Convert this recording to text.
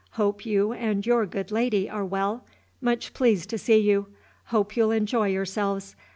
Hope you and your good lady are well. Much pleased to see you. Hope you'll enjoy yourselves.